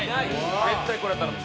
絶対これは頼む。